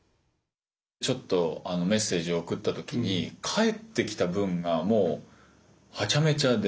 ちょっとメッセージを送った時に返ってきた文がもうハチャメチャで。